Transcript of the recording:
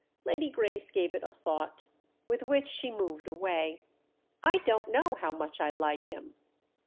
Lady Grace gave it a thought—with which she moved away. "I don't know how much I like him!"